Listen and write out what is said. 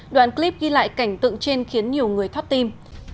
đoạn clip ghi lại cảnh tượng trên khiến nhiều người thoát tim